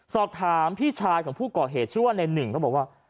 สอบถามพี่ชายของผู้ก่อเหตุชื่อว่าในหนึ่งเขาบอกว่า